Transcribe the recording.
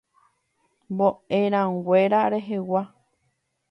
Mbo'erãnguéra rehegua.